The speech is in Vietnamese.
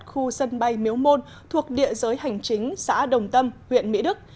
khu sân bay miếu môn thuộc địa giới hành chính xã đồng tâm huyện mỹ đức